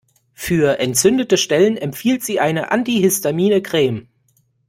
Für entzündete Stellen empfiehlt sie eine antihistamine Creme.